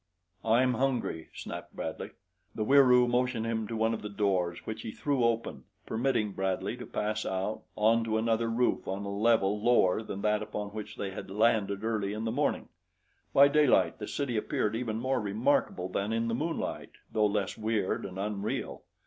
"I'm hungry," snapped Bradley. The Wieroo motioned him to one of the doors which he threw open, permitting Bradley to pass out onto another roof on a level lower than that upon which they had landed earlier in the morning. By daylight the city appeared even more remarkable than in the moonlight, though less weird and unreal.